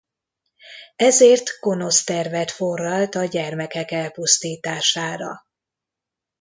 Ezért gonosz tervet forralt a gyermekek elpusztítására.